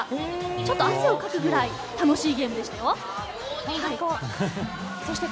ちょっと汗をかくぐらい楽しいゲームでしたよ。